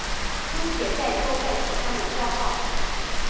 姑且再交战使他们骄傲。